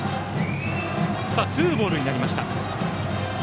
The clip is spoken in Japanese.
さあ、ツーボールになりました。